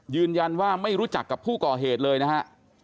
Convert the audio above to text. ยืนยันว่าไม่รู้จักกับผู้ก่อเหตุเลยนะฮะ